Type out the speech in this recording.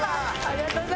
ありがとう！